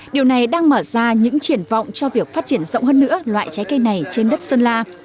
điều này đang mở ra những triển vọng cho việc phát triển rộng hơn nữa loại trái cây này trên đất sơn la